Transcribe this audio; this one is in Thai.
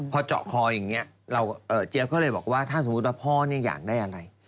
พอเจาะคออย่างนี้เจี๊ยบก็เลยบอกว่าถ้าสมมุติว่าพ่อเนี่ยอยากได้อะไร